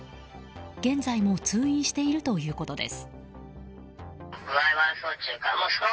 現在も通院しているということです。